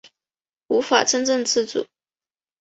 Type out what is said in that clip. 无法真正自主